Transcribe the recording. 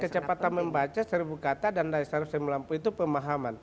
kecepatan membaca seribu kata dan dari satu ratus sembilan puluh itu pemahaman